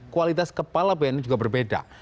kualitas kepala bni juga berbeda